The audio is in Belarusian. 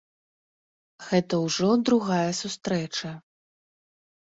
Гэта ўжо другая сустрэча.